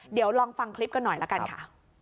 เดี๋ยวลองฟังคลิปกันหน่อยละกันค่ะ